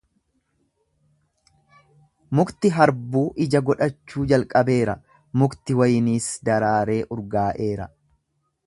mukti harbuu ija godhachuu jalqabeera, mukti wayniis daraaree urgaa'eera,